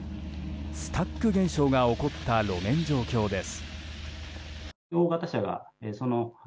スタック現象が起こった路面状況です。